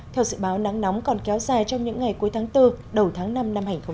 theo dự báo nắng nóng còn kéo dài trong những ngày cuối tháng bốn đầu tháng năm năm hai nghìn hai mươi